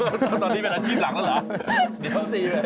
แล้วตอนนี้เป็นอาชีพหลักแล้วเหรอ